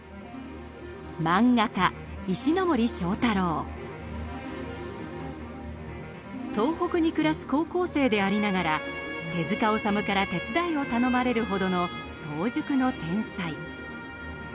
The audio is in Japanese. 萬画家東北に暮らす高校生でありながら手治虫から手伝いを頼まれるほどの早熟の天才。